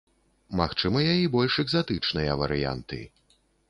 Магчымыя і больш экзатычныя варыянты.